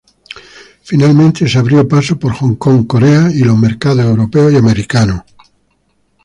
Finalmente, se abrió paso por Hong Kong, Corea, y los mercados europeos y americanos.